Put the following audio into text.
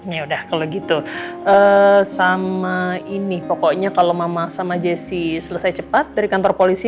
nih udah kalau gitu sama ini pokoknya kalau mama sama jessi selesai cepat dari kantor polisi